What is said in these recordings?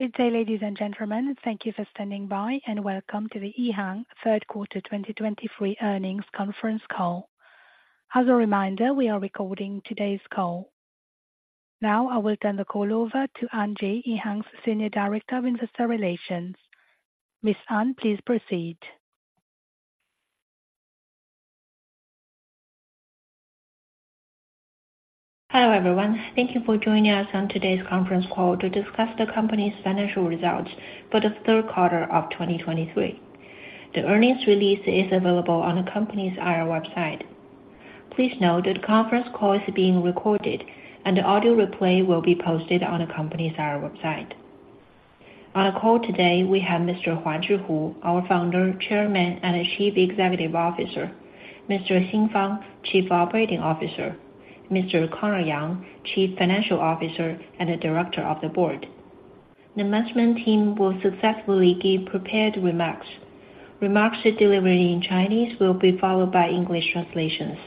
Good day, ladies and gentlemen, thank you for standing by, and welcome to the EHang Third Quarter 2023 Earnings Conference Call. As a reminder, we are recording today's call. Now I will turn the call over to Anne Ji, EHang's Senior Director of Investor Relations. Ms. Anne Ji, please proceed. Hello, everyone. Thank you for joining us on today's conference call to discuss the company's financial results for the third quarter of 2023. The earnings release is available on the company's IR website. Please note that the conference call is being recorded, and the audio replay will be posted on the company's IR website. On the call today, we have Mr. Huazhi Hu, our Founder, Chairman, and Chief Executive Officer, Mr. Xin Fang, Chief Operating Officer, Mr. Conor Yang, Chief Financial Officer, and Director of the Board. The management team will successfully give prepared remarks. Remarks delivered in Chinese will be followed by English translations.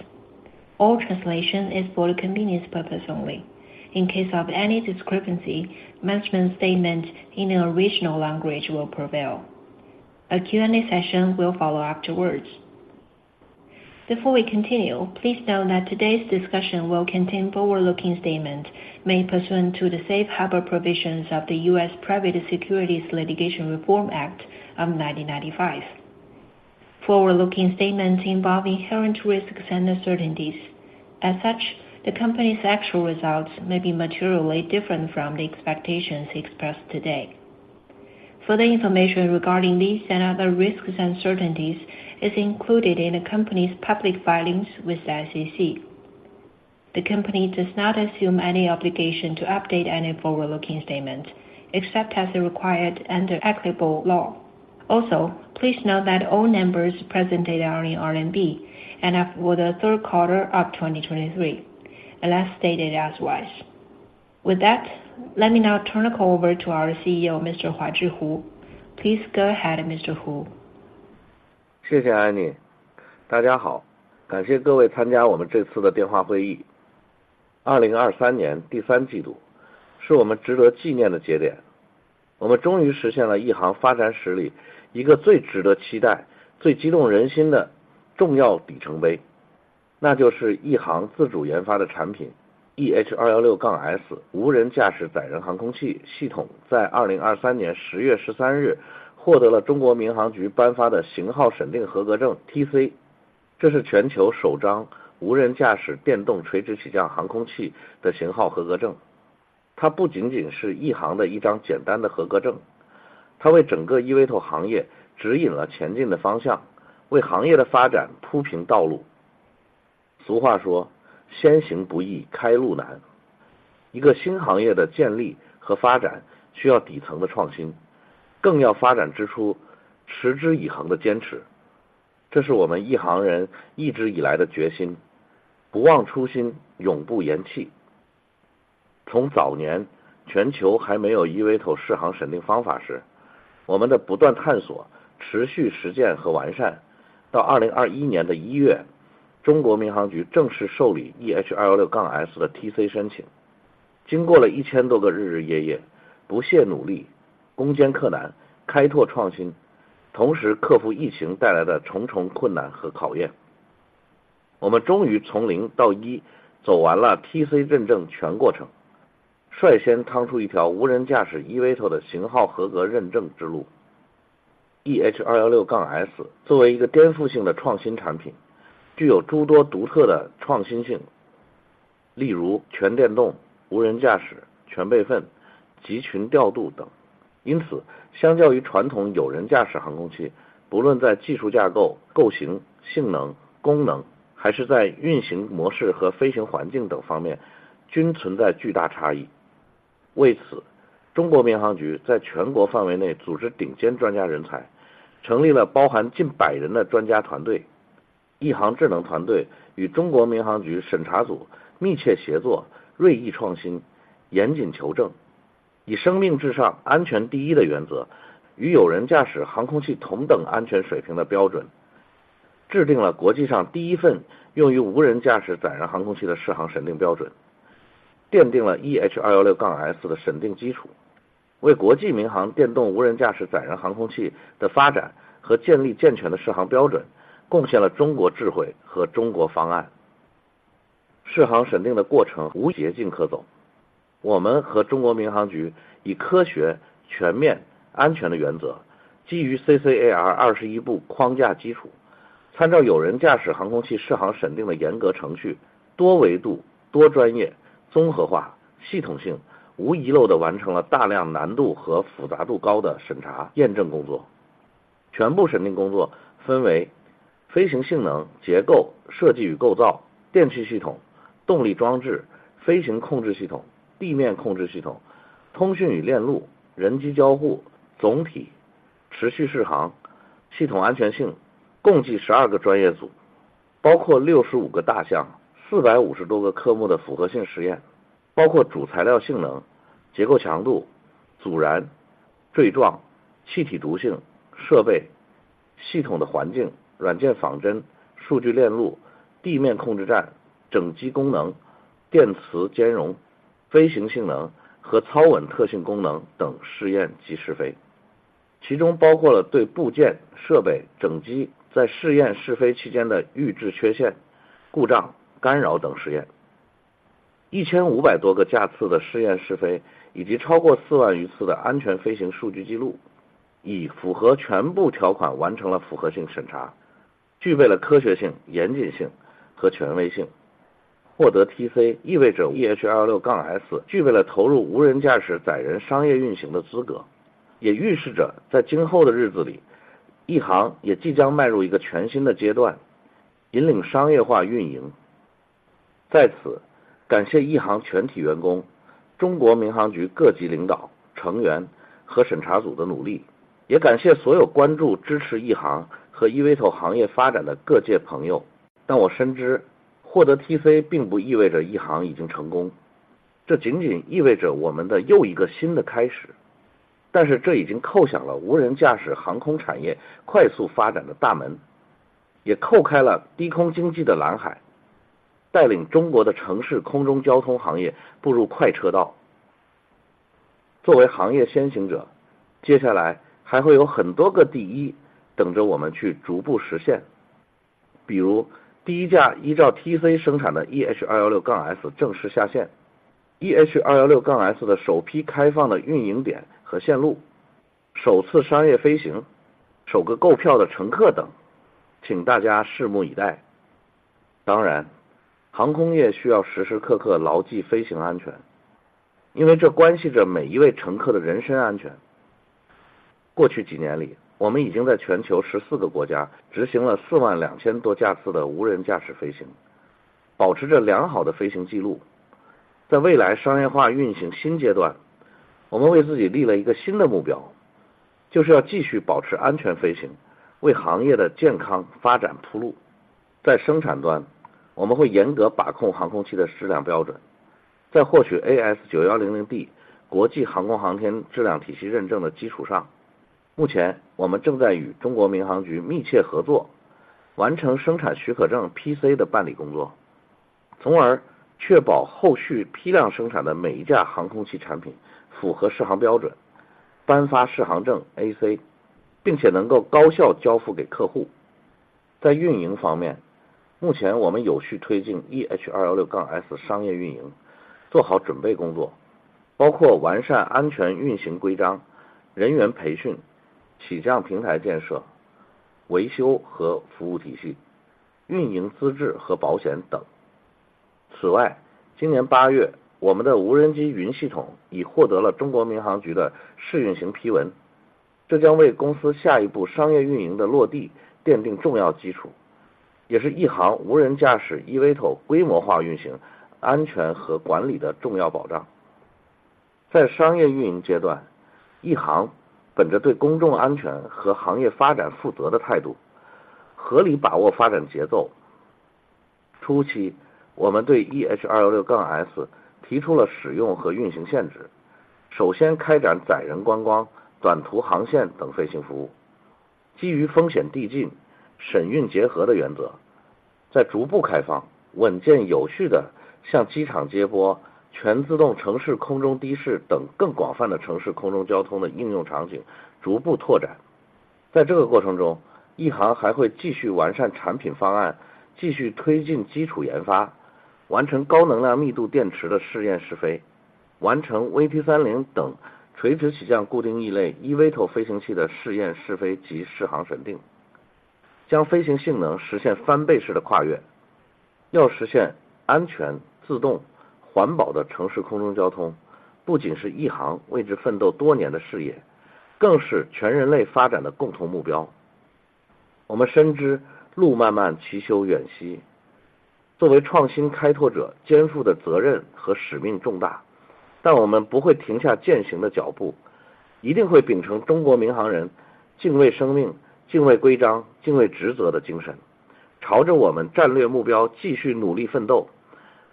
All translation is for the convenience purposes only. In case of any discrepancy, management's statement in the original language will prevail. A Q&A session will follow afterwards. Before we continue, please note that today's discussion will contain forward-looking statements made pursuant to the safe harbor provisions of the U.S. Private Securities Litigation Reform Act of 1995. Forward-looking statements involve inherent risks and uncertainties. As such, the company's actual results may be materially different from the expectations expressed today. Further information regarding these and other risks and uncertainties is included in the company's public filings with the SEC. The company does not assume any obligation to update any forward-looking statements, except as are required under applicable law. Also, please note that all numbers presented are in RMB and are for the third quarter of 2023, unless stated otherwise. With that, let me now turn the call over to our CEO, Mr. Huazhi Hu. Please go ahead, Mr. Hu.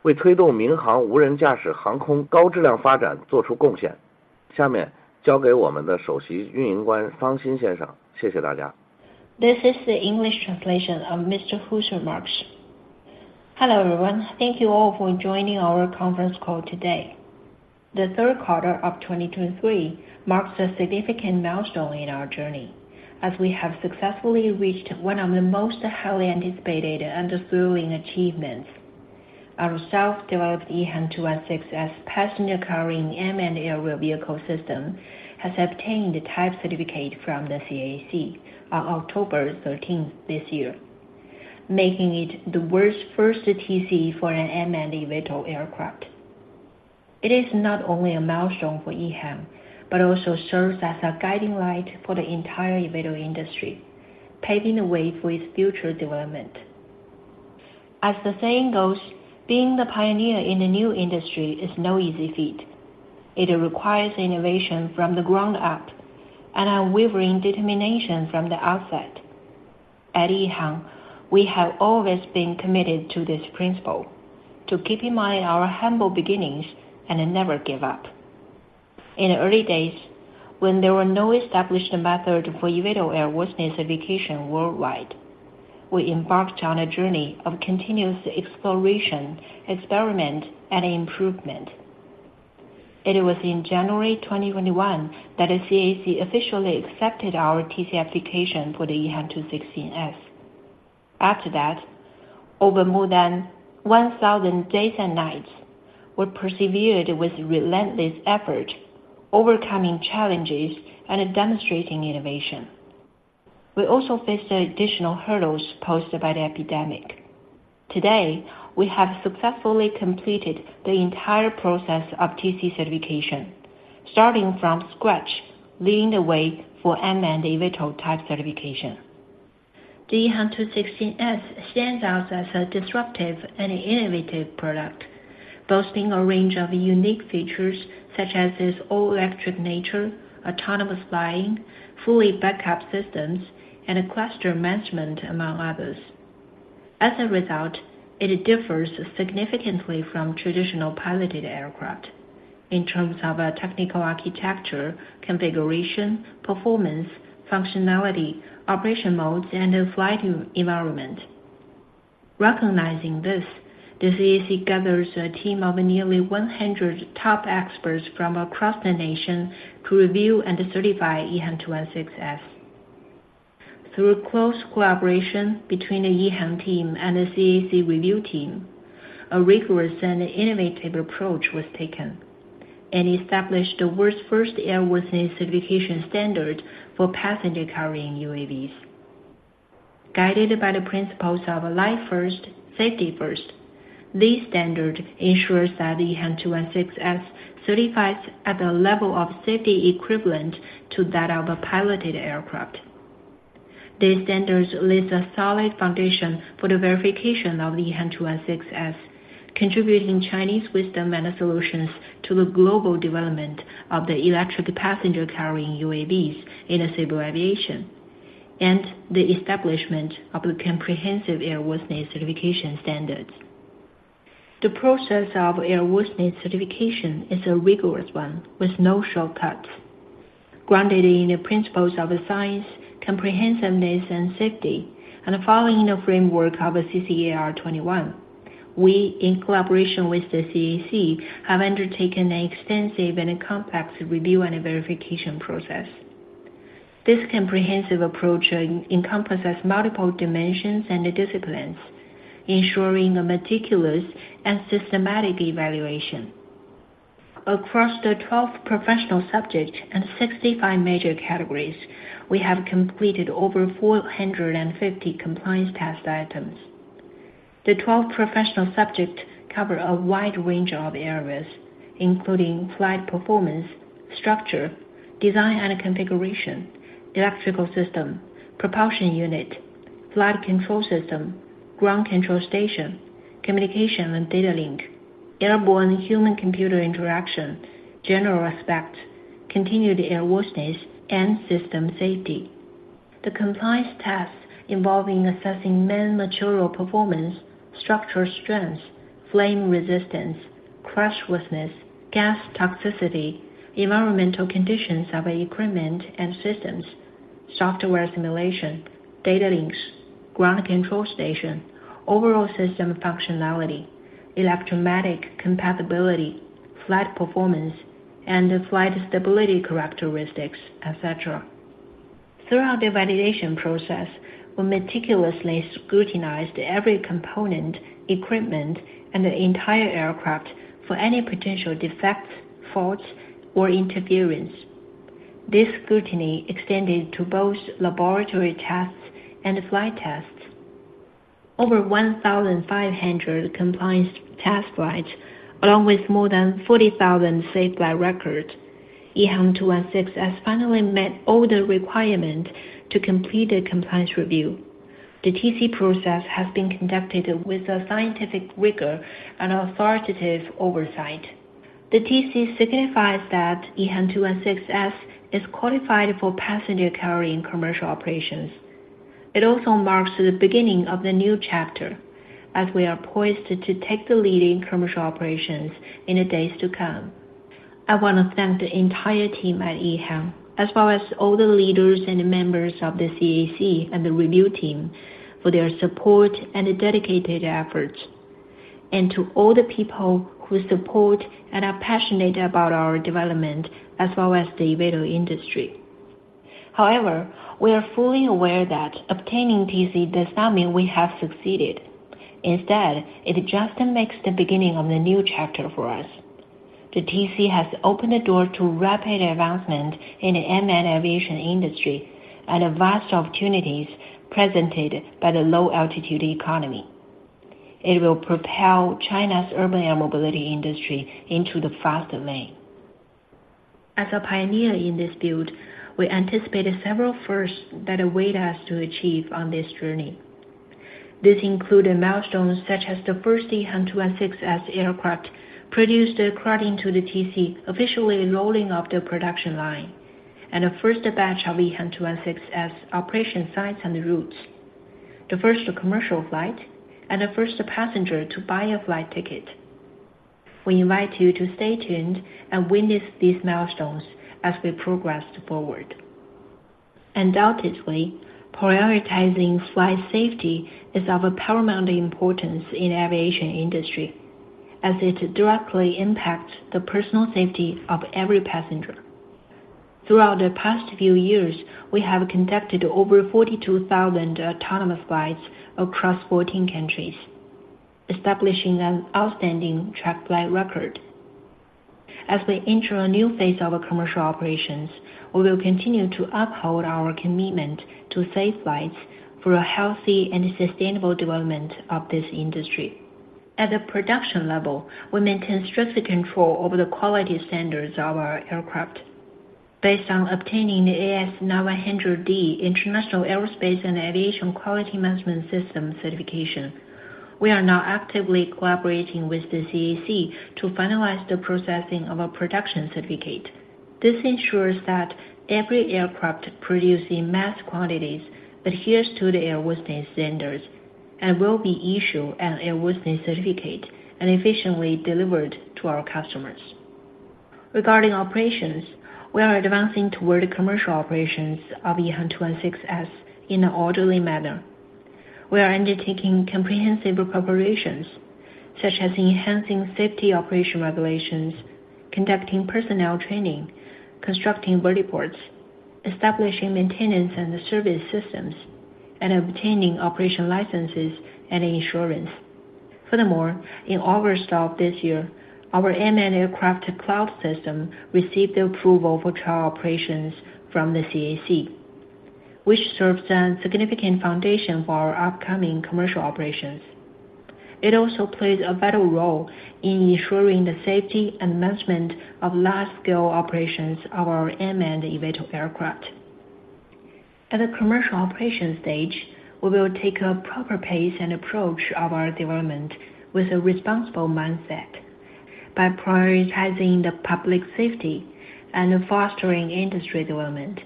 This is the English translation of Mr. Hu's remarks. Hello everyone, thank you all for joining our conference call today. The third quarter of 2023 marks a significant milestone in our journey as we have successfully reached one of the most highly anticipated and thrilling achievements. Our self-developed EH216-S passenger carrying unmanned aerial vehicle system has obtained a Type Certificate from the CAAC on October 13th this year, making it the world's first TC for unmanned eVTOL aircraft. It is not only a milestone for EHang, but also serves as a guiding light for the entire eVTOL industry, paving the way for its future development. As the saying goes, being the pioneer in the new industry is no easy feat. It requires innovation from the ground up and unwavering determination from the outset. At EHang, we have always been committed to this principle to keep in mind our humble beginnings and never give up. In the early days, when there were no established method for eVTOL airworthiness certification worldwide, we embarked on a journey of continuous exploration, experiment, and improvement. It was in January 2021, that the CAAC officially accepted our TC application for the EH216-S. After that, over more than 1,000 days and nights, we persevered with relentless effort, overcoming challenges and demonstrating innovation. We also faced the additional hurdles posed by the epidemic. Today, we have successfully completed the entire process of TC certification, starting from scratch, leading the way for unmanned eVTOL type certification. The EH216-S stands out as a disruptive and innovative product, boasting a range of unique features such as its all-electric nature, autonomous flying, full backup systems, and a cluster management, among others. As a result, it differs significantly from traditional piloted aircraft in terms of a technical architecture, configuration, performance, functionality, operation modes, and a flight environment. Recognizing this, the CAAC gathers a team of nearly 100 top experts from across the nation to review and certify EH216-S. Through close collaboration between the EHang team and the CAAC review team, a rigorous and innovative approach was taken, and established the world's first airworthiness certification standard for passenger-carrying UAVs. Guided by the principles of life first, safety first, this standard ensures that the EH216-S certifies at the level of safety equivalent to that of a piloted aircraft. These standards lays a solid foundation for the verification of the EH216-S, contributing Chinese wisdom and solutions to the global development of the electric passenger-carrying UAVs in a civil aviation, and the establishment of the comprehensive airworthiness certification standards. The process of airworthiness certification is a rigorous one with no shortcuts. Grounded in the principles of science, comprehensiveness, and safety, and following the framework of CCAR-21, we, in collaboration with the CAAC, have undertaken an extensive and complex review and verification process. This comprehensive approach encompasses multiple dimensions and disciplines, ensuring a meticulous and systematic evaluation. Across the 12 professional subjects and 65 major categories, we have completed over 450 compliance test items. The 12 professional subjects cover a wide range of areas, including flight performance, structure, design and configuration, electrical system, propulsion unit, flight control system, ground control station, communication and data link, airborne human computer interaction, general aspect, continued airworthiness, and system safety. The compliance tests involving assessing main material performance, structural strength, flame resistance, crashworthiness, gas toxicity, environmental conditions of equipment and systems, software simulation, data links, ground control station, overall system functionality, electromagnetic compatibility, flight performance, and the flight stability characteristics, et cetera. Throughout the validation process, we meticulously scrutinized every component, equipment, and the entire aircraft for any potential defects, faults, or interference. This scrutiny extended to both laboratory tests and flight tests. Over 1,500 compliance test flights, along with more than 40,000 safe flight records, EH216-S finally met all the requirements to complete a compliance review. The TC process has been conducted with a scientific rigor and authoritative oversight. The TC signifies that EH216-S is qualified for passenger carrying commercial operations. It also marks the beginning of the new chapter as we are poised to take the lead in commercial operations in the days to come. I wanna thank the entire team at EHang, as well as all the leaders and members of the CAAC and the review team for their support and dedicated efforts, and to all the people who support and are passionate about our development, as well as the eVTOL industry. However, we are fully aware that obtaining TC does not mean we have succeeded. Instead, it just makes the beginning of the new chapter for us. The TC has opened the door to rapid advancement in the UAM aviation industry and the vast opportunities presented by the low-altitude economy. It will propel China's urban air mobility industry into the fast lane. As a pioneer in this field, we anticipate several firsts that await us to achieve on this journey. This include the milestones such as the first EH216-S aircraft produced according to the TC, officially rolling off the production line, and the first batch of EH216-S operation sites and routes. The first commercial flight, and the first passenger to buy a flight ticket. We invite you to stay tuned and witness these milestones as we progress forward. Undoubtedly, prioritizing flight safety is of a paramount importance in aviation industry, as it directly impacts the personal safety of every passenger. Throughout the past few years, we have conducted over 42,000 autonomous flights across 14 countries, establishing an outstanding track flight record. As we enter a new phase of commercial operations, we will continue to uphold our commitment to safe flights for a healthy and sustainable development of this industry. At the production level, we maintain strict control over the quality standards of our aircraft. Based on obtaining the AS9100 International Aerospace and Aviation Quality Management System certification, we are now actively collaborating with the CAAC to finalize the processing of a Production certificate. This ensures that every aircraft produced in mass quantities adheres to the airworthiness standards, and will be issued an airworthiness certificate and efficiently delivered to our customers. Regarding operations, we are advancing toward commercial operations of EHang 216-S in an orderly manner. We are undertaking comprehensive preparations, such as enhancing safety operation regulations, conducting personnel training, constructing vertiports, establishing maintenance and service systems, and obtaining operation licenses and insurance. Furthermore, in August of this year, our Unmanned Aircraft Cloud System received the approval for trial operations from the CAAC, which serves as significant foundation for our upcoming commercial operations. It also plays a vital role in ensuring the safety and management of large-scale operations of our unmanned eVTOL aircraft. At the commercial operation stage, we will take a proper pace and approach of our development with a responsible mindset, by prioritizing the public safety and fostering industry development.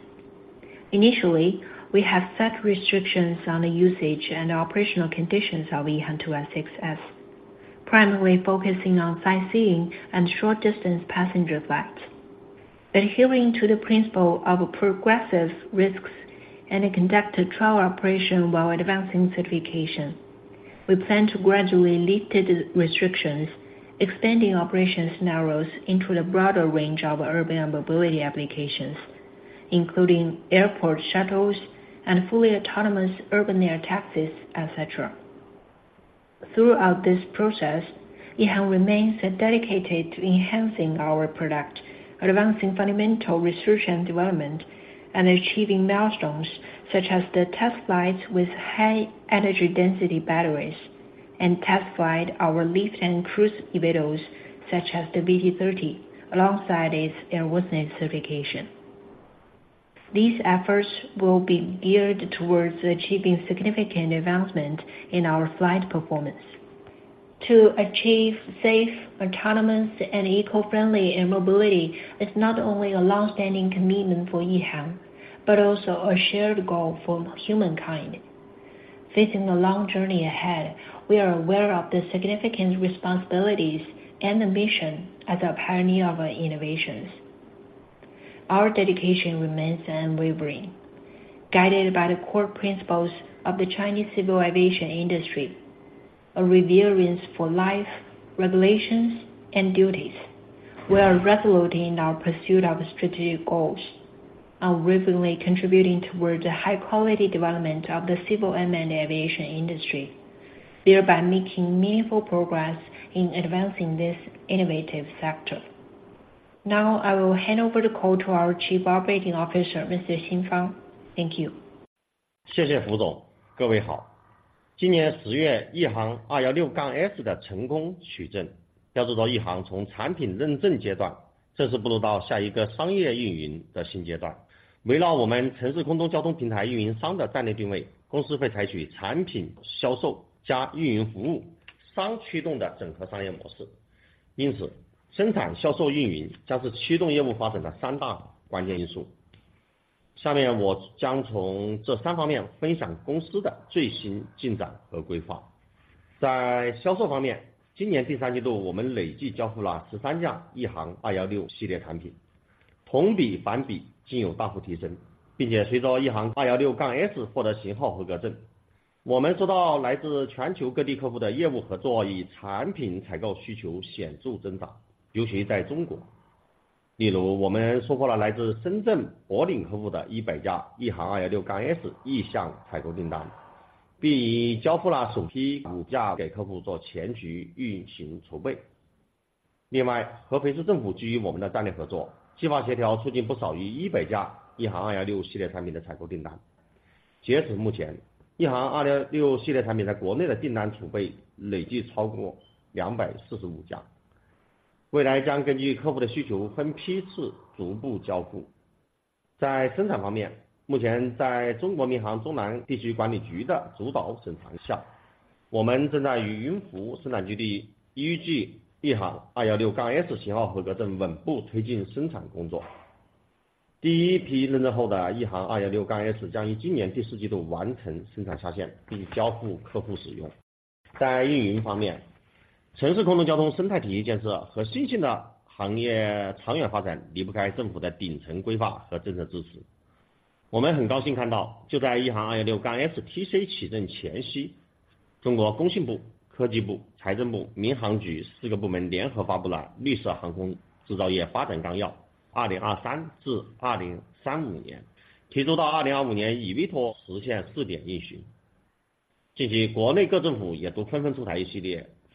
Initially, we have set restrictions on the usage and operational conditions of EH216-S, primarily focusing on sightseeing and short-distance passenger flights. Adhering to the principle of progressive risks and conduct trial operation while advancing certification, we plan to gradually lift these restrictions, expanding operation scenarios into the broader range of urban mobility applications, including airport shuttles and fully autonomous urban air taxis, et cetera. Throughout this process, EHang remains dedicated to enhancing our product, advancing fundamental research and development, and achieving milestones such as the test flights with high-energy-density batteries, and test flight our lift and cruise eVTOLs, such as the VT-30, alongside its airworthiness certification. These efforts will be geared towards achieving significant advancement in our flight performance. To achieve safe, autonomous, and eco-friendly air mobility is not only a long-standing commitment for EHang, but also a shared goal for humankind. Facing the long journey ahead, we are aware of the significant responsibilities and the mission as a pioneer of innovations. Our dedication remains unwavering, guided by the core principles of the Chinese civil aviation industry, a reverence for life, regulations, and duties. We are resolute in our pursuit of strategic goals, unwaveringly contributing towards the high-quality development of the civil unmanned aviation industry, thereby making meaningful progress in advancing this innovative sector. Now, I will hand over the call to our Chief Operating Officer, Mr. Xin Fang. Thank you.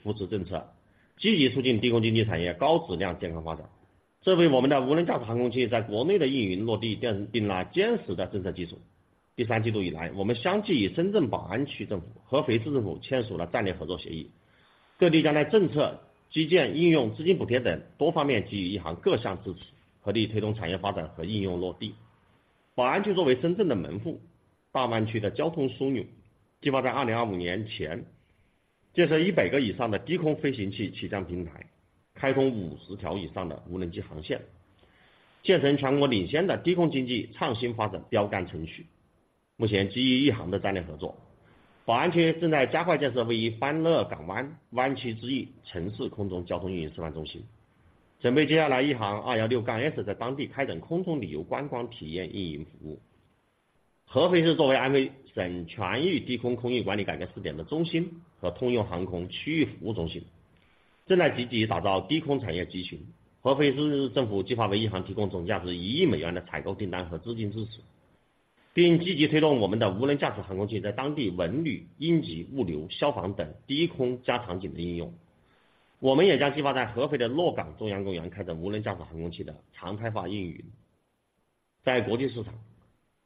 TC起证前夕，中国工信部、科技部、财政部、民航局四个部门联合发布了绿色航空制造业发展纲要，2023至2035年。提出到2025年，以委托实现试点运行。近期，国内各政府也都纷纷出台一系列扶持政策，积极促进低空经济产业高质量健康发展。这为我们的无人驾驶航空器在国内的运营落地奠定了坚实的政策基础。第三季度以来，我们相继与深圳宝安区政府、合肥市政府签署了战略合作协议，各地将在政策、基建、应用、资金补贴等多个方面给予亿航各项支持，合力推动产业发展和应用落地。宝安区作为深圳的门户，大湾区的交通枢纽，计划在2025年前，建设100个以上的低空飞行器起降平台，开通50条以上的无人机航线，建成全国领先的低空经济创新发展标杆城区。目前，基于亿航的战略合作，宝安区正在加快建设位于前海湾湾区之一城市空中交通运营示范中心，准备接下来EH216-S，在当地开展空中旅游观光体验运营服务。合肥市作为安徽省全域低空空域管理改革试点的中心和通用航空区域服务中心，正在积极打造低空产业集群。合肥市政府计划为亿航提供总价值$100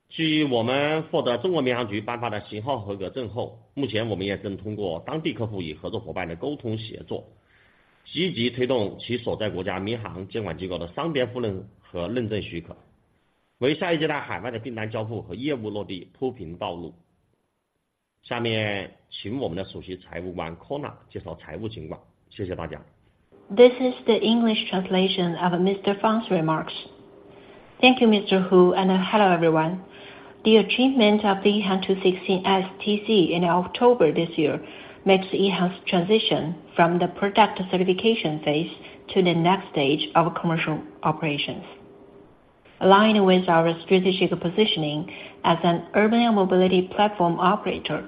million的采购订单和资金支持，并积极推动我们的无人驾驶航空器，在当地文旅、应急、物流、消防等低空应用场景的应用。我们将计划在合肥的骆岗中央公园，开展无人驾驶航空器的常态化运营。在国际市场，继我们获得中国民航局颁发的型号合格证后，目前我们也正通过当地客户与合作伙伴的沟通协作，积极推动其所在国家民航监管机构的商业运营和认证许可，为下一阶段海外的订单交付和业务落地铺平道路。下面请我们的首席财务官Conor介绍财务情况。谢谢大家。This is the English translation of Mr. Fang's remarks. Thank you, Mr. Hu, and hello, everyone. The achievement of the EH216-S TC in October this year makes EHang's transition from the product certification phase to the next stage of commercial operations. Align with our strategic positioning as an urban mobility platform operator.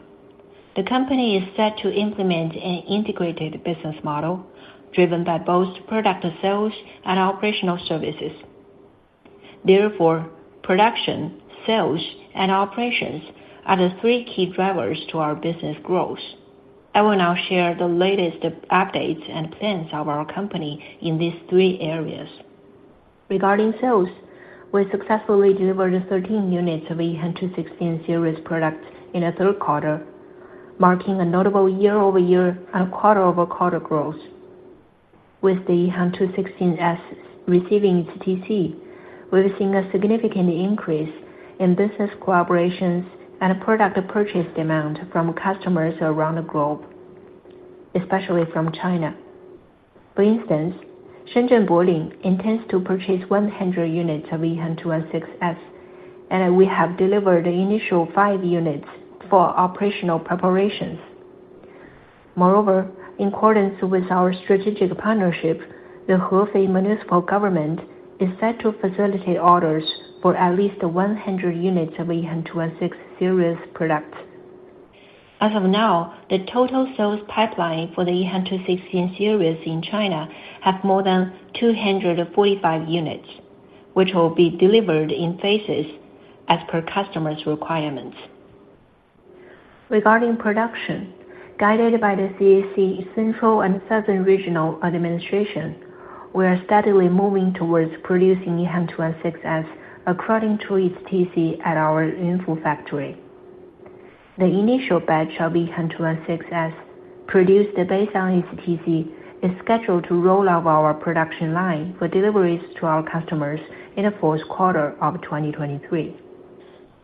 The company is set to implement an integrated business model driven by both product sales and operational services. Therefore, production, sales, and operations are the three key drivers to our business growth. I will now share the latest updates and plans of our company in these three areas. Regarding sales, we successfully delivered 13 units of EH216 series products in the third quarter, marking a notable year-over-year and quarter-over-quarter growth. With the EH216-S receiving TC, we've seen a significant increase in business collaborations and product purchase demand from customers around the globe, especially from China. For instance, Shenzhen Boling intends to purchase 100 units of EH216-S, and we have delivered the initial five units for operational preparations. Moreover, in accordance with our strategic partnership, the Hefei Municipal Government is set to facilitate orders for at least 100 units of EH216 series products. As of now, the total sales pipeline for the EH216 series in China have more than 245 units, which will be delivered in phases as per customer's requirements. Regarding production, guided by the CAAC, Central and Southern Regional Administration, we are steadily moving towards producing EH216-S according to its TC at our Yunfu factory. The initial batch of EHang 216-S produced based on its TC, is scheduled to roll out of our production line for deliveries to our customers in the fourth quarter of 2023.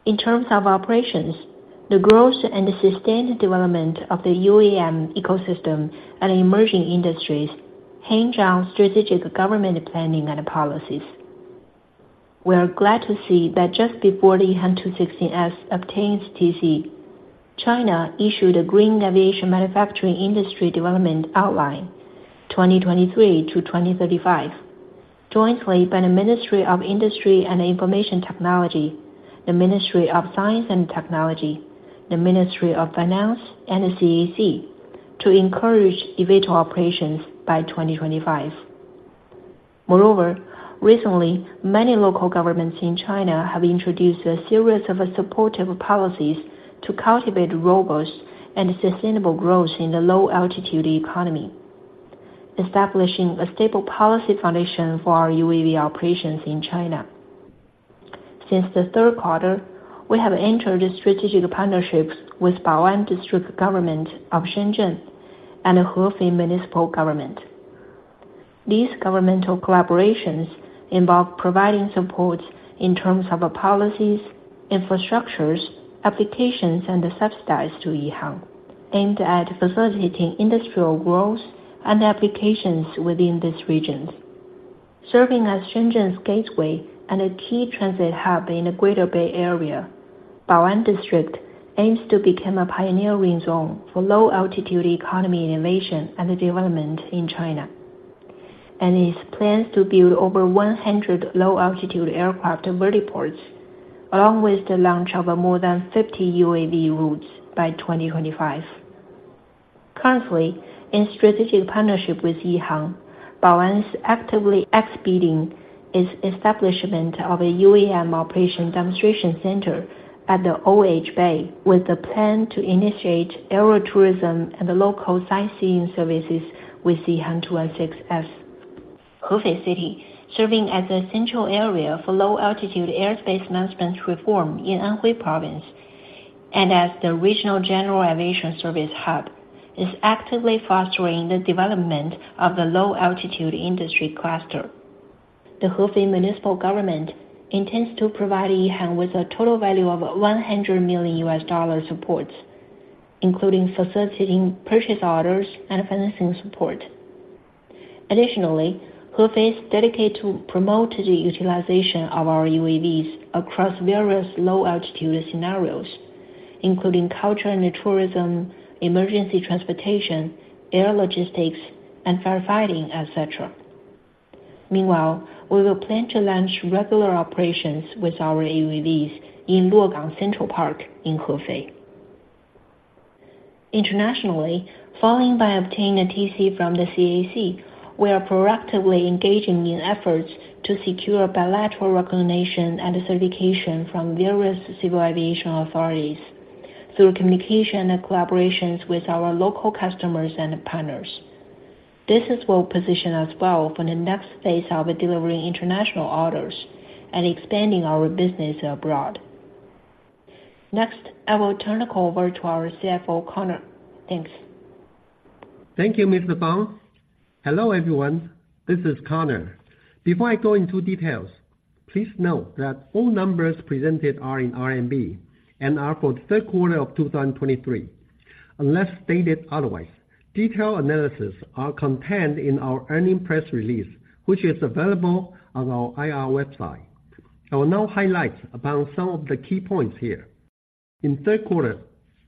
In terms of operations, the growth and sustained development of the UAM ecosystem and emerging industries hinge on strategic government planning and policies. We are glad to see that just before the EHang 216-S obtains TC, China issued a Green Aviation Manufacturing Industry Development Outline 2023-2035, jointly by the Ministry of Industry and Information Technology, the Ministry of Science and Technology, the Ministry of Finance and the CAAC to encourage aviator operations by 2025. Moreover, recently, many local governments in China have introduced a series of supportive policies to cultivate robust and sustainable growth in the low-altitude economy, establishing a stable policy foundation for our UAV operations in China. Since the third quarter, we have entered strategic partnerships with Bao'an District Government of Shenzhen and Hefei Municipal Government. These governmental collaborations involve providing supports in terms of policies, infrastructures, applications, and subsidies to EHang.... aimed at facilitating industrial growth and applications within these regions. Serving as Shenzhen's gateway and a key transit hub in the Greater Bay Area, Bao'an District aims to become a pioneering zone for low-altitude economy innovation and development in China, and it plans to build over 100 low-altitude aircraft vertiports, along with the launch of more than 50 UAV routes by 2025. Currently, in strategic partnership with EHang, Bao'an is actively expediting its establishment of a UAM Operation Demonstration Center at the OH Bay, with the plan to initiate aero-tourism and local sightseeing services with the EH216-S. Hefei City, serving as a central area for low-altitude airspace management reform in Anhui Province, and as the regional general aviation service hub, is actively fostering the development of the low-altitude industry cluster. The Hefei Municipal Government intends to provide EHang with a total value of $100 million supports, including facilitating purchase orders and financing support. Additionally, Hefei is dedicated to promote the utilization of our UAVs across various low-altitude scenarios, including culture and tourism, emergency transportation, air logistics, and firefighting, et cetera. Meanwhile, we will plan to launch regular operations with our UAVs in Luogang Central Park in Hefei. Internationally, following by obtaining a TC from the CAAC, we are proactively engaging in efforts to secure bilateral recognition and certification from various civil aviation authorities through communication and collaborations with our local customers and partners. This will position us well for the next phase of delivering international orders and expanding our business abroad. Next, I will turn the call over to our CFO, Conor. Thanks. Thank you, Mr. Fang. Hello, everyone, this is Conor. Before I go into details, please note that all numbers presented are in RMB and are for the third quarter of 2023, unless stated otherwise. Detailed analysis are contained in our earnings press release, which is available on our IR website. I will now highlight about some of the key points here. In third quarter,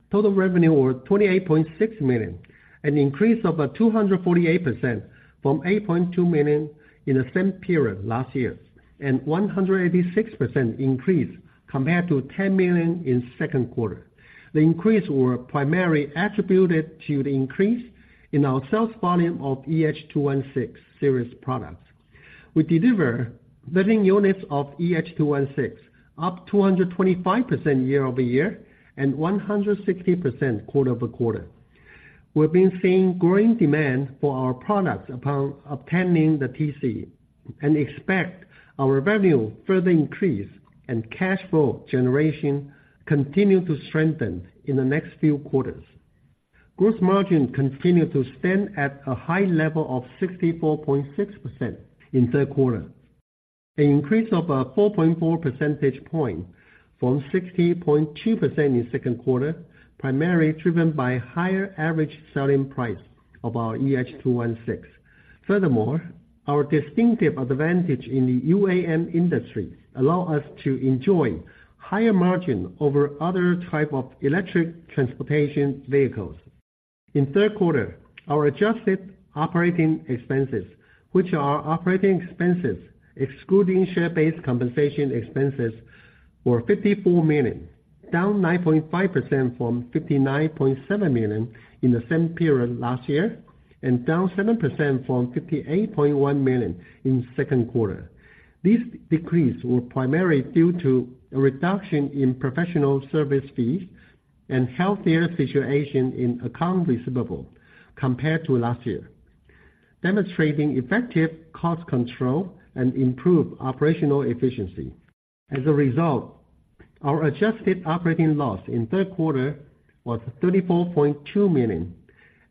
total revenue was 28.6 million, an increase of 248% from 8.2 million in the same period last year, and 186% increase compared to 10 million in second quarter. The increase were primarily attributed to the increase in our sales volume of EH216 series products. We delivered 13 units of EH216, up 225% year-over-year, and 160% quarter-over-quarter. We've been seeing growing demand for our products upon obtaining the TC, and expect our revenue further increase and cash flow generation continue to strengthen in the next few quarters. Gross margin continued to stand at a high level of 64.6% in third quarter, an increase of 4.4 percentage point from 60.2% in second quarter, primarily driven by higher average selling price of our EH216. Furthermore, our distinctive advantage in the UAM industry allow us to enjoy higher margin over other type of electric transportation vehicles. In third quarter, our adjusted operating expenses, which are operating expenses excluding share-based compensation expenses, were 54 million, down 9.5% from 59.7 million in the same period last year, and down 7% from 58.1 million in second quarter. This decrease was primarily due to a reduction in professional service fees and healthier situation in accounts receivable compared to last year, demonstrating effective cost control and improved operational efficiency. As a result, our adjusted operating loss in third quarter was 34.2 million,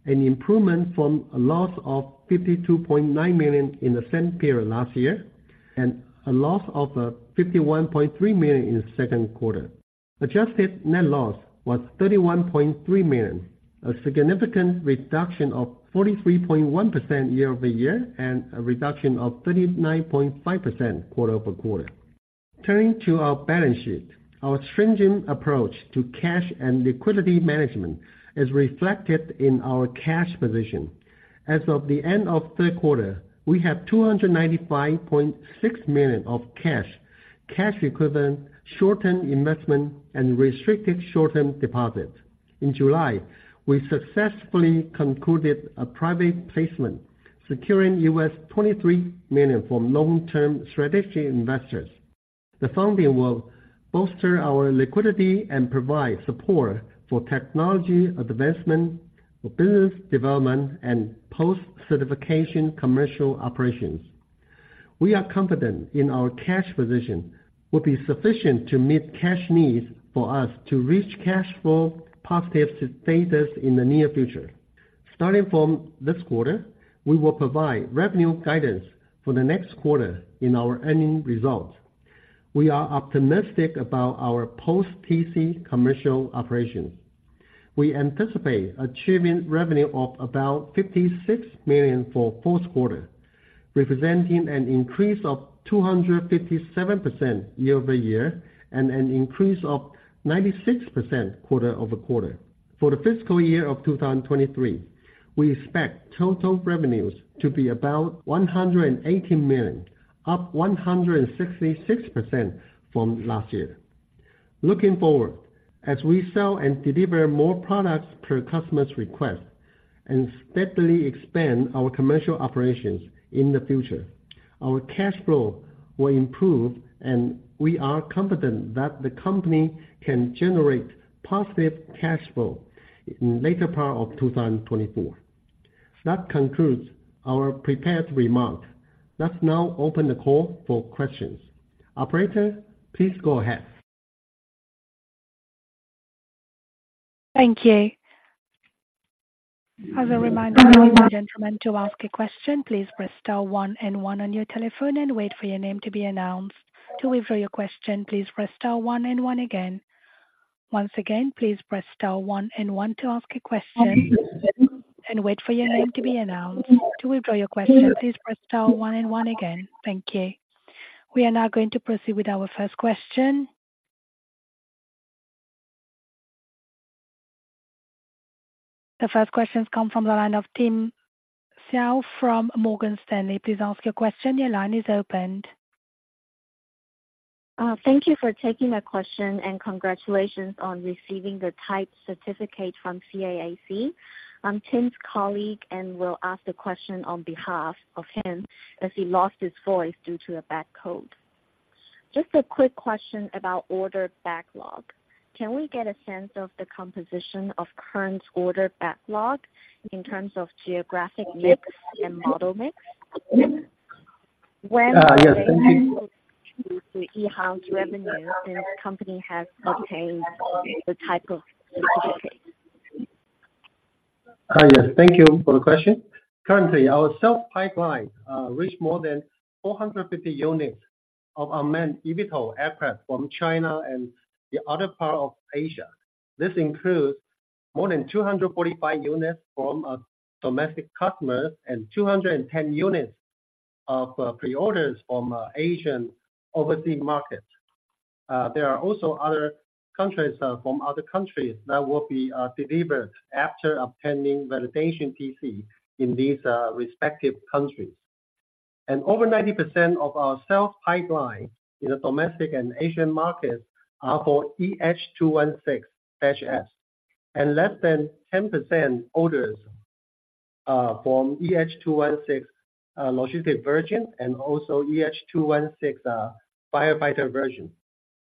an improvement from a loss of 5.9 million in the same period last year, and a loss of 51.3 million in the second quarter. Adjusted net loss was 31.3 million, a significant reduction of 43.1% year-over-year, and a reduction of 39.5% quarter-over-quarter. Turning to our balance sheet. Our stringent approach to cash and liquidity management is reflected in our cash position. As of the end of third quarter, we have 295.6 million of cash, cash equivalent, short-term investment, and restricted short-term deposits. In July, we successfully concluded a private placement, securing RMB 23 million from long-term strategic investors. The funding will bolster our liquidity and provide support for technology advancement, for business development, and post-certification commercial operations. We are confident in our cash position will be sufficient to meet cash needs for us to reach cash flow positive phases in the near future. Starting from this quarter, we will provide revenue guidance for the next quarter in our earnings results. We are optimistic about our post TC commercial operations. We anticipate achieving revenue of about 56 million for fourth quarter, representing an increase of 257% year-over-year, and an increase of 96% quarter-over-quarter. For the fiscal year of 2023, we expect total revenues to be about 180 million, up 166% from last year. Looking forward, as we sell and deliver more products per customer's request and steadily expand our commercial operations in the future, our cash flow will improve, and we are confident that the company can generate positive cash flow in later part of 2024. That concludes our prepared remarks. Let's now open the call for questions. Operator, please go ahead. Thank you. As a reminder, gentlemen, to ask a question, please press star one and one on your telephone and wait for your name to be announced. To withdraw your question, please press star one and one again. Once again, please press star one and one to ask a question, and wait for your name to be announced. To withdraw your question, please press star one and one again. Thank you. We are now going to proceed with our first question. The first question comes from the line of Tim Hsiao from Morgan Stanley. Please ask your question. Your line is open. Thank you for taking my question, and congratulations on receiving the Type Certificate from CAAC. I'm Tim's colleague, and will ask the question on behalf of him, as he lost his voice due to a bad cold. Just a quick question about order backlog. Can we get a sense of the composition of current order backlog in terms of geographic mix and model mix? When- Yes, thank you. the EHang revenue, since the company has obtained the type of certificate. Yes, thank you for the question. Currently, our sales pipeline reached more than 450 units of unmanned eVTOL aircraft from China and the other part of Asia. This includes more than 245 units from domestic customers and 210 units of pre-orders from Asian overseas market. There are also other countries from other countries that will be delivered after obtaining validation TC in these respective countries. And over 90% of our sales pipeline in the domestic and Asian markets are for EH216-F, and less than 10% orders from EH216 logistics version and also EH216 firefighter version.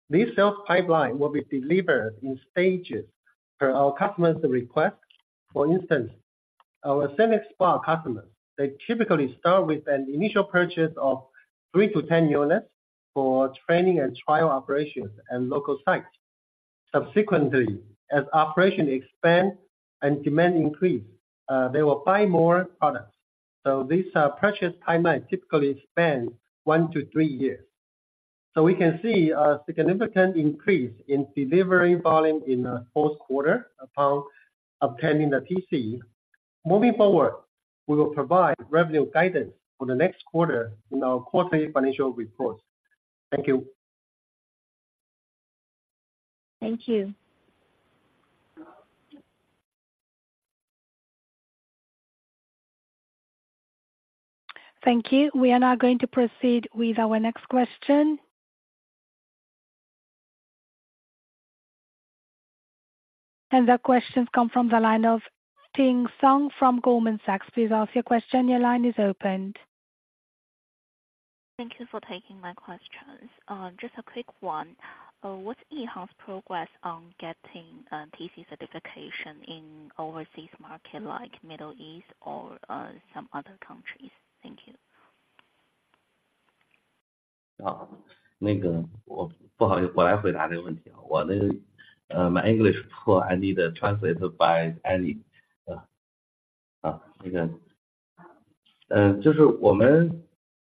This sales pipeline will be delivered in stages per our customer's request. For instance, our scenic spot customers, they typically start with an initial purchase of three to 10 units for training and trial operations at local sites. Subsequently, as operations expand and demand increase, they will buy more products. So these, purchase timeline typically span one to three years. So we can see a significant increase in delivery volume in the fourth quarter upon obtaining the TC. Moving forward, we will provide revenue guidance for the next quarter in our quarterly financial reports. Thank you. Thank you. Thank you. We are now going to proceed with our next question. The question's come from the line of Ting Song from Goldman Sachs. Please ask your question. Your line is open. Thank you for taking my questions. Just a quick one. What's EHang's progress on getting TC certification in overseas market, like Middle East or some other countries? Thank you.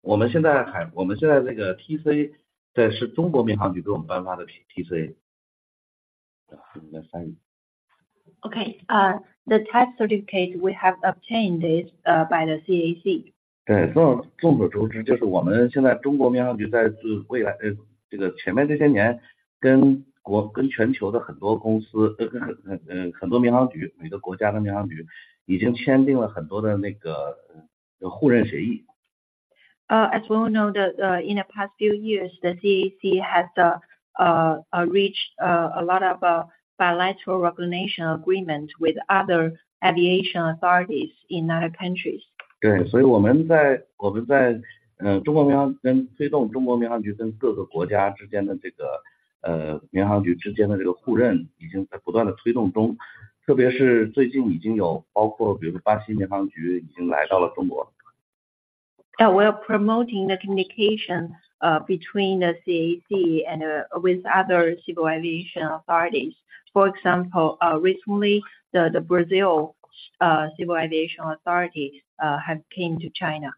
The Type Certificate we have obtained is by the CAAC. As we know that, in the past few years, the CAAC has reached a lot of bilateral recognition agreement with other aviation authorities in other countries. As we all know that, in the +past few years, the CAAC has reached a lot of bilateral recognition agreement with other aviation authorities in other countries. ...Yeah, we are promoting the communication between the CAAC and with other civil aviation authorities. For example, recently, the Brazil Civil Aviation Authority have came to China.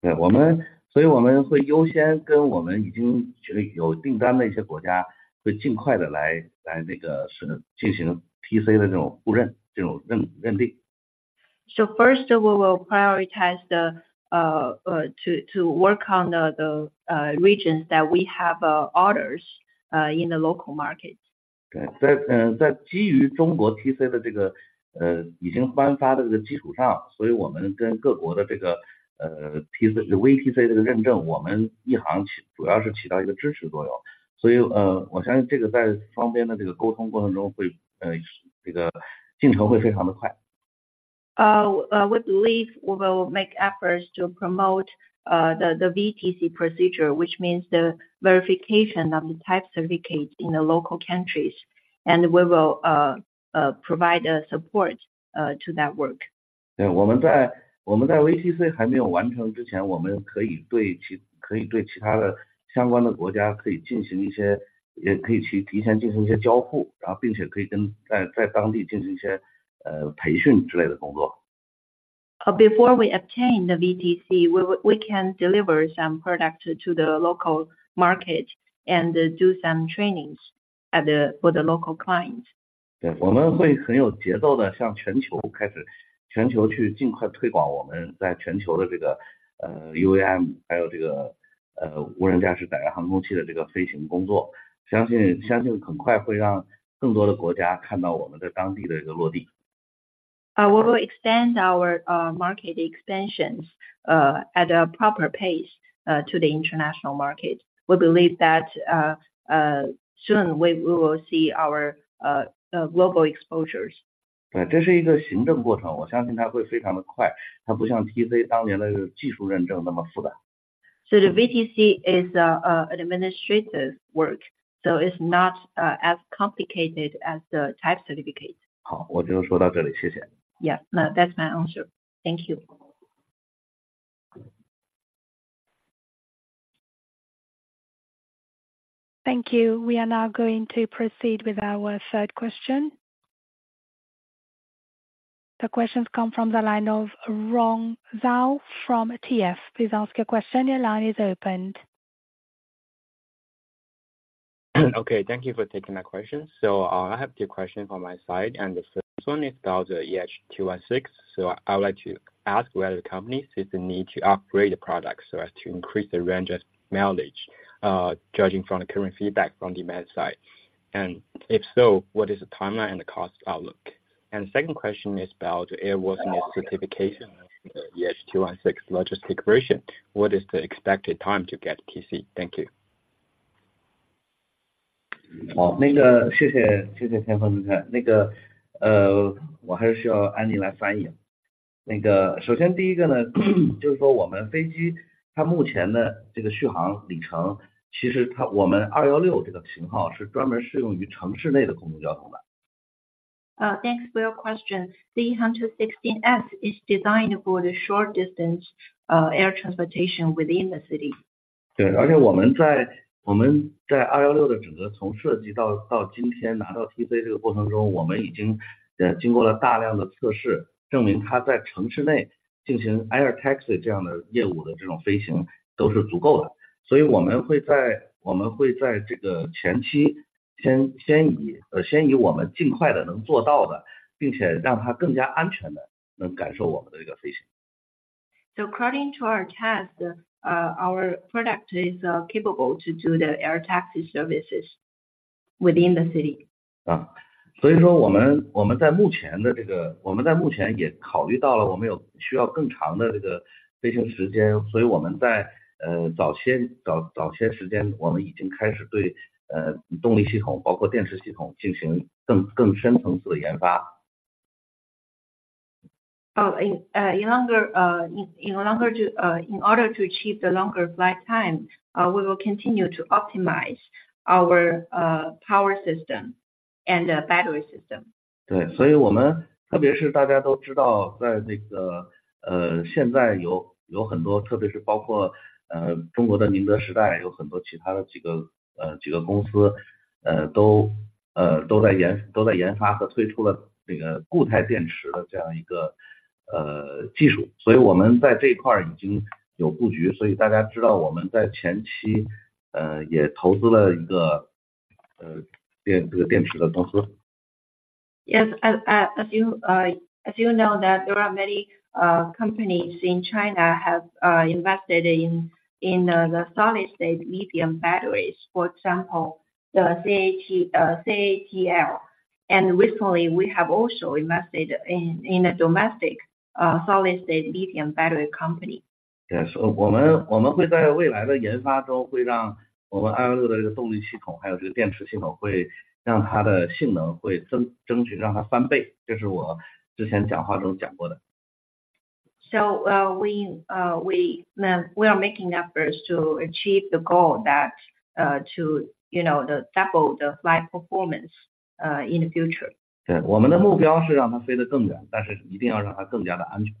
对，我们，所以我们会优先跟我们已经觉得有订单的一些国家，会尽快的来，这个是进行TC的这种互认，这种认定。So first we will prioritize to work on the regions that we have orders in the local market. 对，在基于中国TC的这个，已经颁发的这个基础上，所以我们跟各国的这个，TC VTC这个认证，我们其实主要是起到一个支持作用。所以，我相信这个在双边的这个沟通过程中，会，这个进程会非常的快。We believe we will make efforts to promote the VTC procedure, which means the Verification of the Type Certificate in the local countries, and we will provide a support to that work. 对，我们在VTC还没有完成之前，我们可以对其，可以对其他相关的国家可以进行一些，也可以提前进行一些互动，然后并且可以在，在当地进行一些，培训之类的工作。Before we obtain the VTC, we can deliver some products to the local market and do some trainings at the for the local client. 对，我们会很有节奏地向全球开始，全球去尽快推广我们在全球的这个UAM，还有这个无人驾驶载人飞机的一个飞行工作，相信，相信很快会让更多的国家看到我们在当地的一个落地。We will extend our market extensions at a proper pace to the international market. We believe that soon we will see our global exposures. 对，这是一个行政过程，我相信它会非常的快，它不像TC当年那个技术认证那么复杂。The VTC is an administrative work, so it's not as complicated as the Type Certificate. 好，我就说到这里，谢谢。Yeah, that's my answer. Thank you. Thank you. We are now going to proceed with our third question. The question come from the line of Rong Zhao from TF. Please ask your question. Your line is opened. Okay, thank you for taking my question. So I have two questions on my side, and the first one is about the EH216. So I would like to ask whether the company sees the need to upgrade the product so as to increase the range of mileage, judging from the current feedback from demand side, and if so, what is the timeline and the cost outlook? And the second question is about the airworthiness certification, the EH216 logistic version. What is the expected time to get TC? Thank you. 好，谢谢，谢谢天风证券。我还是需要安妮来翻译。首先第一个呢，就是说我们飞机目前的这个续航里程，其实我们216这个型号是专门适用于城市内的公共交通的。Thanks for your question. The EH216 is designed for the short distance, air transportation within the city. 对，而且我们在216的整个从设计到今天拿到TC这个过程中，我们已经，经过了大量的测试，证明它在城市内进行air taxi这样的业务的这种飞行都是足够的。所以我们会在这个前期先，以我们尽快地能做到的，并且让它更加安全地能感受我们的这个飞行。According to our test, our product is capable to do the air taxi services within the city. 所以说，我们在目前也考虑到了，我们有需要更长的飞行时间，所以我们在早些时间，已经开始对动力系统，包括电池系统进行更深层次的研发。In order to achieve the longer flight time, we will continue to optimize our power system and battery system. 对，所以我们特别是大家都知道，在这个，现在有很多，特别是包括中国的宁德时代，有很多其他的几个公司，都在研发和推出了这个固态电池的这样一个技术，所以我们在这块已经有所布局，所以大家知道我们在前期，也投资了一个电池的公司。Yes, as you know that there are many companies in China have invested in the solid state lithium batteries, for example, the CATL. And recently we have also invested in the domestic solid state lithium battery company. 也是我们，我们会在未来的研发中，会让我们的216的这个动力系统，还有这个电池系统，会让它的性能会增，争取让它翻倍，这是我之前讲话中讲过的。So, we are making efforts to achieve the goal that, to, you know, double the flight performance... in the future. 对，我们的目标是让它飞得更远，但是一定要让它更加安全。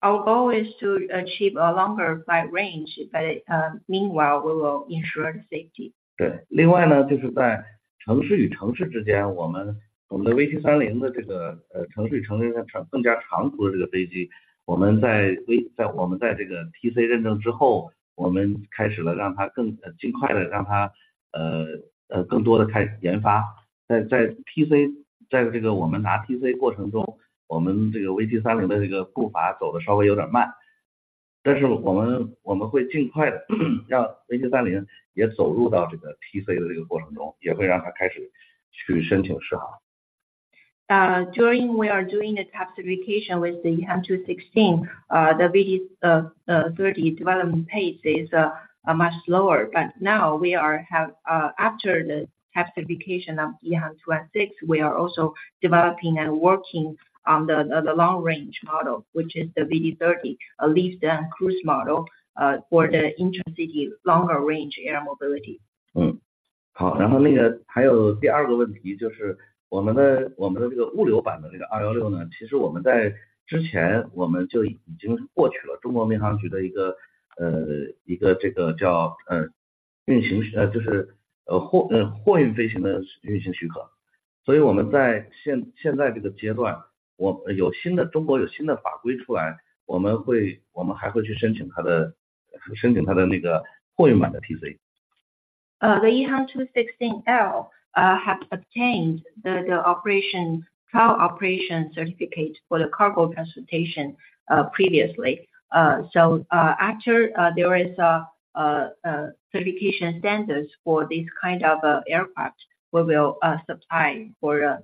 Our goal is to achieve a longer flight range, but, meanwhile, we will ensure safety. 对，另外呢，就是在城市与城市之间，我们，我们的VT-30的这个，城市与城市的更加长途的这个飞机，我们在VT，我们在这个TC认证之后，我们开始了让它更尽快的让它更多的开始研发。在，在TC，在这个我们拿TC过程中，我们这个VT-30的这个步伐走得稍微有点慢，但是我们，我们会尽快地让VT-30也走入到这个TC的这个过程中，也会让它开始去申请试航。During we are doing the type certification with the EH216, the VT-30 development pace is a much slower, but now we are have after the type certification of EH216, we are also developing and working on the long range model, which is the VT-30, a lift and cruise model for the intercity longer range air mobility. 好，然后还有第二个问题，就是我们的物流版的216呢。其实我们在之前就已经通过了中国民航局的一个运行许可，就是货运飞行的运行许可。所以我们在现在这个阶段，中国有新的法规出来，我们还会去申请它的货运版的TC。The EHang 216-L have obtained the trial operation certificate for the cargo transportation previously. So, after there is a certification standards for this kind of aircraft, we will apply for a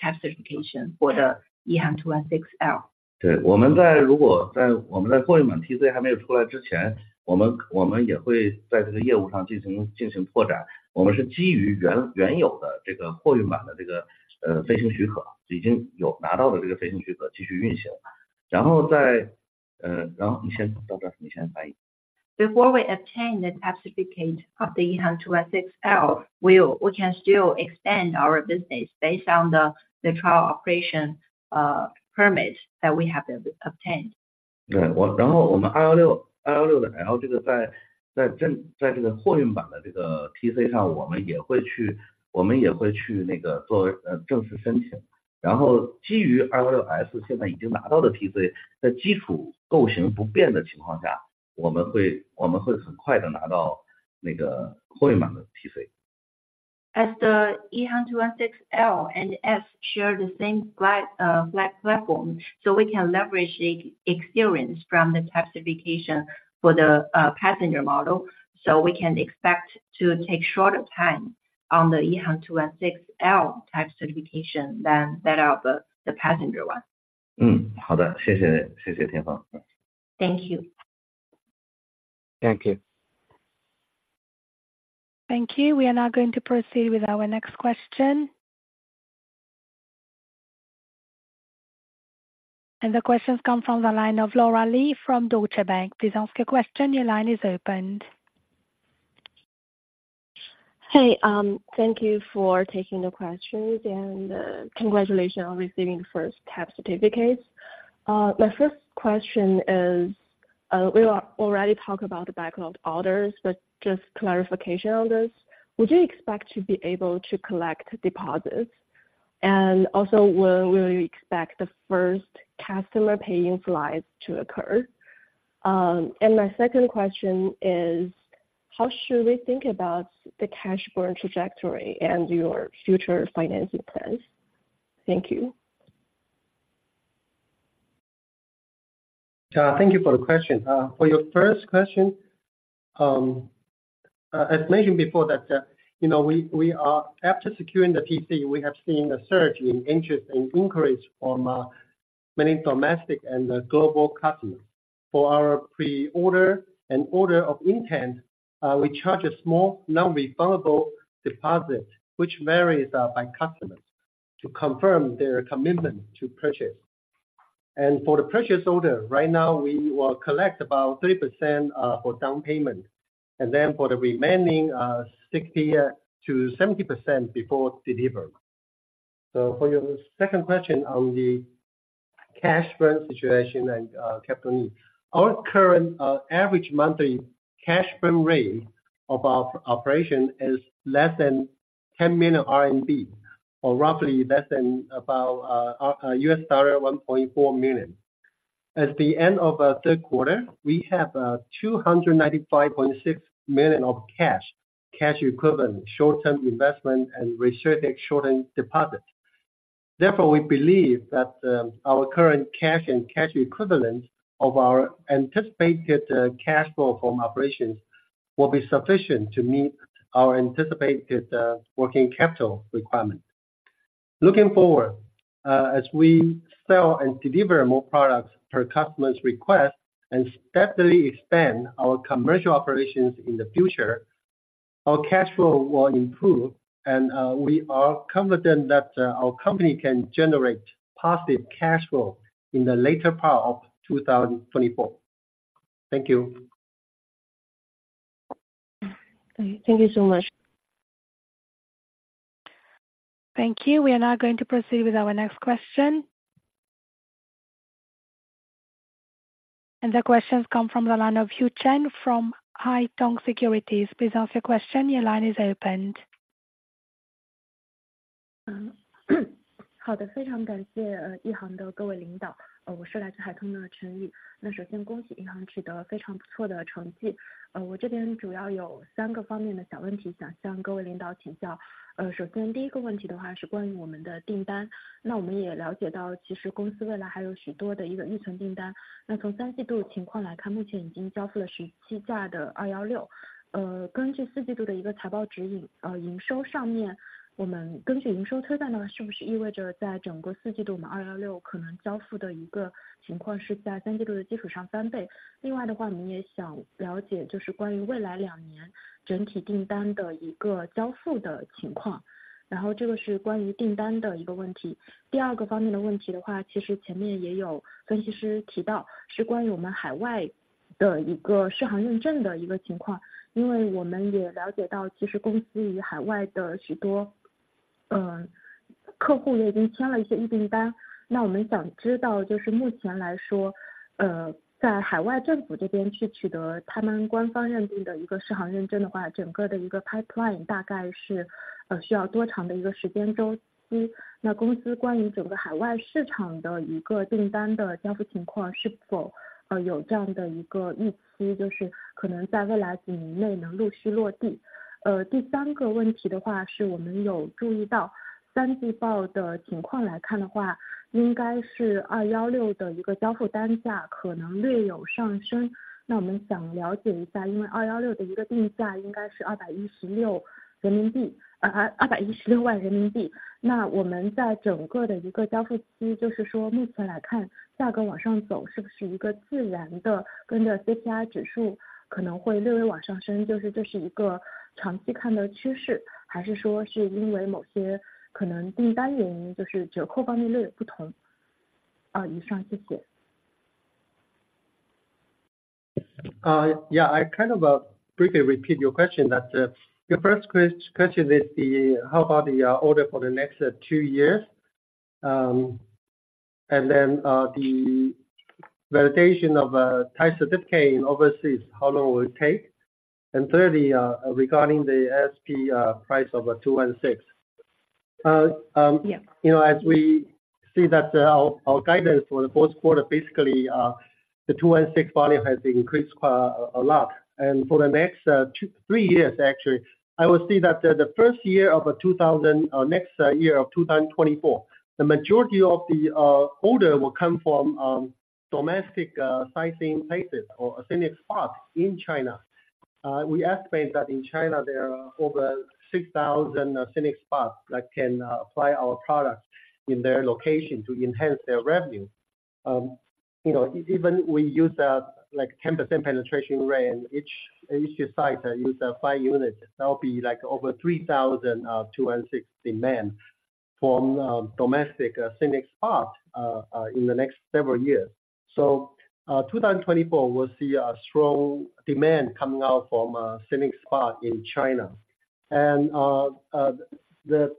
type certification for the EHang 216-L. 对，如果在我们货运版TC还没有出来之前，我们也会在这个业务上进行拓展。我们是基于原有的这个货运版的这个飞行许可，已经拿到的这个飞行许可继续运行，然后再……然后你先到这，你先翻译。Before we obtain the Type Certificate of the EHang 216-L, we can still expand our business based on the trial operation permits that we have obtained. 对，然后我们216，216-L，在这个货运版的TC上，我们也会去正式申请。然后基于216-S现在已经拿到的TC，在基础构型不变的情况下，我们会很快地拿到那个货运版的TC。As the EH216-L and EH216-S share the same platform, so we can leverage the experience from the type certification for the passenger model, so we can expect to take shorter time on the EH216-L type certification than that of the passenger one. 好的，谢谢，谢谢天芳。Thank you。Thank you. Thank you. We are now going to proceed with our next question... And the question comes from the line of Laura Li from Deutsche Bank. Please ask your question. Your line is open. Hey, thank you for taking the questions and, congratulations on receiving first Type Certificates. My first question is, we are already talked about the backlog orders, but just clarification on this, would you expect to be able to collect deposits? And also, when will you expect the first customer paying flights to occur? And my second question is, how should we think about the cash burn trajectory and your future financing plans? Thank you. Thank you for the question. For your first question, as mentioned before, you know, we are after securing the TC, we have seen a surge in interest and inquiries from many domestic and global customers. For our pre-order and order of intent, we charge a small, non-refundable deposit, which varies by customers to confirm their commitment to purchase. For the purchase order, right now, we will collect about 30%, for down payment, and then for the remaining, 60% - 70% before delivery. So for your second question on the cash burn situation and capital, our current average monthly cash burn rate of our operation is less than 10 million, or roughly less than about $1.4 million. At the end of third quarter, we have 295.6 million of cash, cash equivalent, short-term investment and restricted short-term deposits. Therefore, we believe that our current cash and cash equivalents of our anticipated cash flow from operations will be sufficient to meet our anticipated working capital requirements. Looking forward, as we sell and deliver more products per customer's request and steadily expand our commercial operations in the future, our cash flow will improve, and we are confident that our company can generate positive cash flow in the later part of 2024. Thank you.... Thank you so much. Thank you. We are now going to proceed with our next question. The question comes from the line of Yu Chen from Haitong Securities. Please ask your question, your line is opened. Yeah, I kind of briefly repeat your question. That's your first question is the, how about the order for the next two years? And then, the validation of Type Certificate in overseas, how long will it take? And thirdly, regarding the SP price of 216. Yeah. You know, as we see that, our guidance for the fourth quarter, basically, the EH216 volume has increased quite a lot. And for the next two to three years, actually, I will see that the first year of 2024, the majority of the order will come from domestic sightseeing places or scenic spots in China. We estimate that in China, there are over 6,000 scenic spots that can apply our products in their location to enhance their revenue. You know, even we use like 10% penetration rate in each site use five units, that will be like over 3,000 EH216 demand from domestic scenic spots in the next several years. So, 2024, we'll see a strong demand coming out from scenic spot in China. The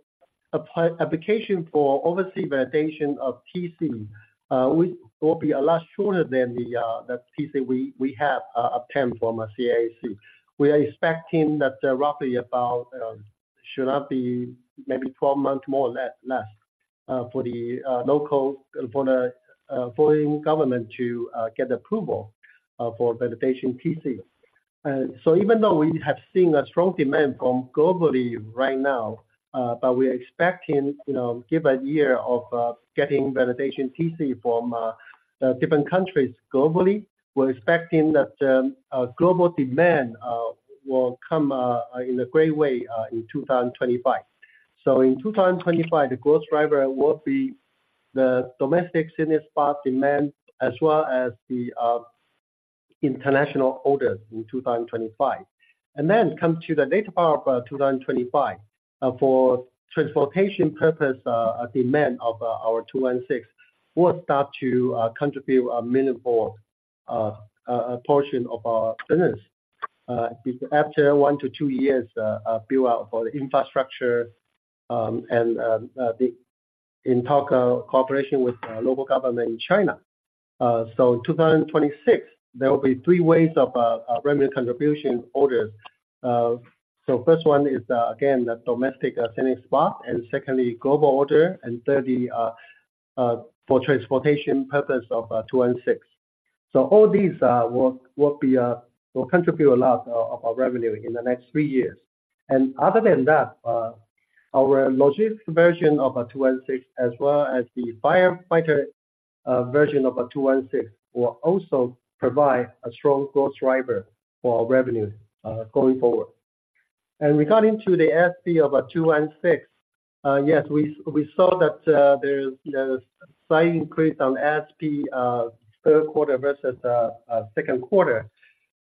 application for overseas validation of TC will be a lot shorter than the TC we have obtained from CAAC. We are expecting that roughly about should not be maybe 12 months, more or less, for the local, for the foreign government to get approval for validation TC. So even though we have seen a strong demand from globally right now, but we are expecting, you know, give a year of getting validation TC from different countries globally. We're expecting that global demand will come in a great way in 2025. In 2025, the growth driver will be the domestic scenic spot demand, as well as the international orders in 2025. Then come to the later part of 2025, for transportation purpose, a demand of our EH216 will start to contribute a minimal portion of our business. After one to two years, build-out for the infrastructure, and the in-talk cooperation with the local government in China. In 2026, there will be three ways of revenue contribution orders. First one is, again, the domestic scenic spot, and secondly, global order, and thirdly, for transportation purpose of EH216. So all these will contribute a lot of our revenue in the next three years. And other than that, our logistics version of the EH216, as well as the firefighter version of the EH216, will also provide a strong growth driver for our revenue going forward. And regarding the SP of the EH216, yes, we saw that there's a slight increase on SP third quarter versus second quarter.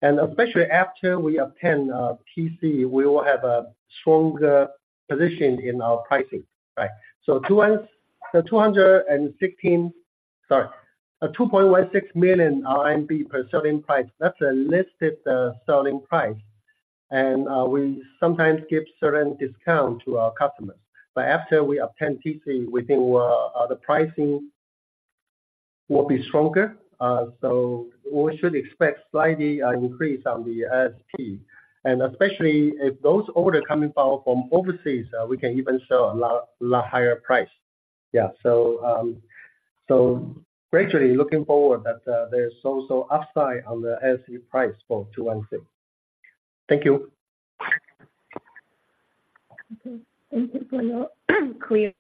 And especially after we obtain TC, we will have a stronger position in our pricing, right? So 216, sorry, 2.16 million RMB per selling price, that's a listed selling price. We sometimes give certain discount to our customers, but after we obtain TC, we think the pricing will be stronger. We should expect slightly increase on the SP. Especially if those orders coming power from overseas, we can even sell a lot, lot higher price. Yeah. So gradually looking forward that, there's so, so upside on the SP price for 216. Thank you. Thank you for your clear.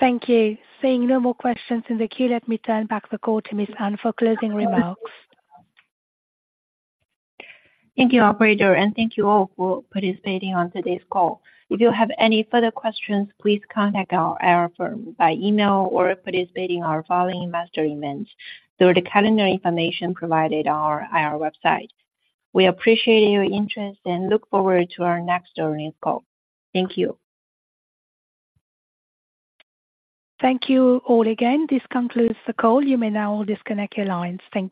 Thank you. Seeing no more questions in the queue, let me turn back the call to Miss Anne for closing remarks. Thank you, operator, and thank you all for participating on today's call. If you have any further questions, please contact our firm by email or by participating in our following investor events through the calendar information provided on our website. We appreciate your interest and look forward to our next earnings call. Thank you. Thank you all again. This concludes the call. You may now disconnect your lines. Thank you.